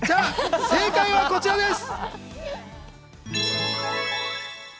正解はこちらです。